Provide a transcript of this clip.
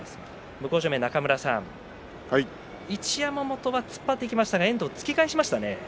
向正面、中村さん一山本が突っ張っていきましたが遠藤は突き返しましたね。